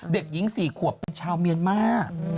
เด็กหญิง๔ขวบเป็นชาวเมียนมาร์